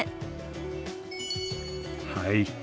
はい。